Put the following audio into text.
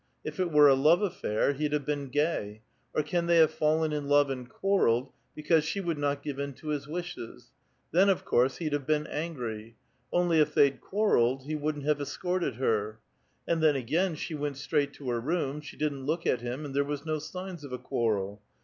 If it were a love affair, he'd have been gay. Or can they have fallen in love and quarrelled, because she would not give in to his wishes? Then, of course, he'd have been angry; only, if they'd quarrelled, he wouldn't have escorted her. And then, again, she went straight to her room, she didn't look at him, and there was no signs of a quarrel.